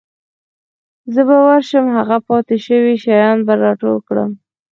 زه به ورشم هغه پاتې شوي شیان به راټول کړم.